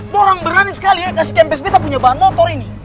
borang berani sekali ya kasih ke mpsb tak punya bahan motor ini